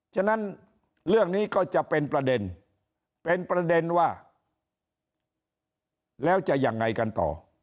ฉะนั้นเรื่องนี้ก็จะเป็นประเด็นเป็นประเด็นว่าแล้วจะยังไงกันต่อ